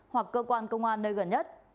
hoặc cơ quan công an nơi gần nhất